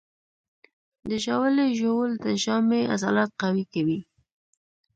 د ژاولې ژوول د ژامې عضلات قوي کوي.